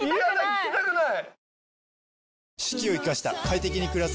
聞きたくない。